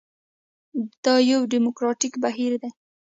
دا یو ډیموکراټیک بهیر دی.